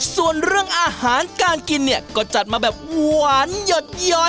ส่วนเรื่องอาหารการกินเนี่ยก็จัดมาแบบหวานหยดย้อย